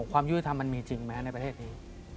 ความยุติธรรมมันมีจริงไหมในประเทศนี้